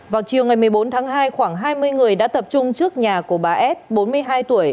vào chiều ngày một mươi bốn tháng hai khoảng hai mươi người đã tập trung trước nhà của bà f bốn mươi hai tuổi